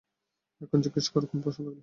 এখন জিজ্ঞেস কর কোন প্রশ্ন থাকলে?